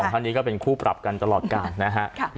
๒ข้านี้ก็เป็นคู่ปรับกันตลอดกามนะครับ